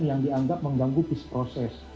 yang dianggap mengganggu proses